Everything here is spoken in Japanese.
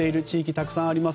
たくさんあります。